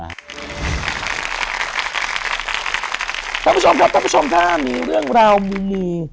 ท่านผู้ชมครับท่านผู้ชมท่านมีเรื่องราวมู